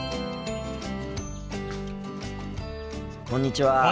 こんにちは。